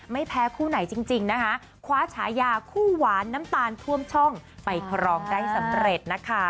ไม่แพ้คู่ไหนจริงนะคะคว้าฉายาคู่หวานน้ำตาลท่วมช่องไปครองได้สำเร็จนะคะ